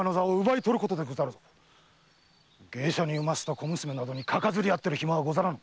芸者に生ませた小娘などにかかずりあってる暇はござらん。